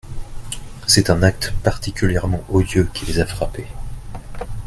C’est un acte particulièrement odieux qui les a frappés.